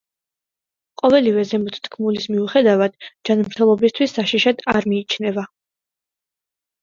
ყოველივე ზემოთ თქმულის მიუხედავად, ჯანმრთელობისთვის საშიშად არ მიიჩნევა.